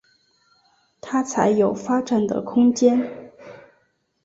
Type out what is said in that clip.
他才有发展的空间